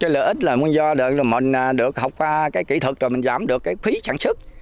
lợi ích là do mình được học qua kỹ thuật rồi mình giảm được phí sản xuất